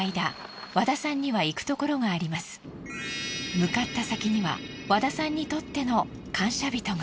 向かった先には和田さんにとっての感謝人が。